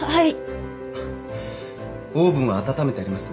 はい。